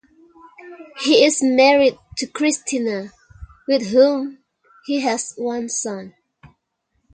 He is married to Christina with whom he has one son.